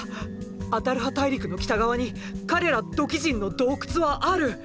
アタルハ大陸の北側に彼ら土器人の洞窟はある。